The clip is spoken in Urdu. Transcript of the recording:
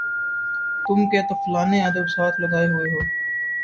تُم کہ طفلانِ ادب ساتھ لگائے ہُوئے ہو